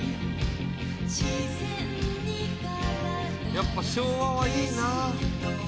やっぱ昭和はいいなぁ。